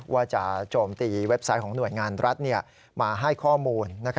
โจมตีเว็บไซต์ของหน่วยงานรัฐมาให้ข้อมูล